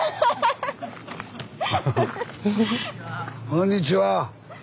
こんにちは。